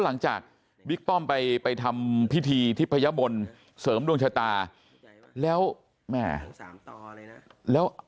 หลังจากบิ๊กป้อมไปไปทำพิธีทิพยบนเสริมดวงชะตาแล้วแม่แล้ว